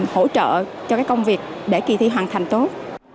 hỗ trợ cho công việc để kỳ thi hoàn thành tốt